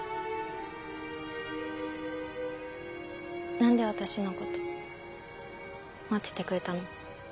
何で私のこと待っててくれたの？